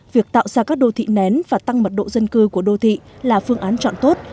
việc tạo ra các đô thị nén và tăng mật độ dân cư của đô thị là phương án chọn tốt